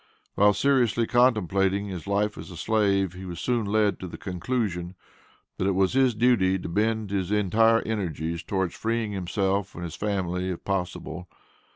While seriously contemplating his life as a slave, he was soon led to the conclusion that it was his duty to bend his entire energies towards freeing himself and his family if possible.